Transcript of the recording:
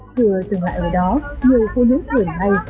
chưa dừng lại ở đó nhiều phụ nữ tuổi này